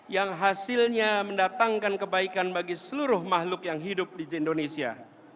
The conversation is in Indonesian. yang hasilnya mendatangkan kebaikan bagi seluruh makhluk yang hidup di indonesia